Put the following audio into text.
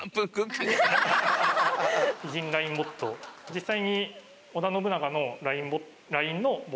実際に。